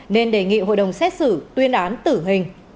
nên đề nghị hội đồng xét xử tuyên án tử hình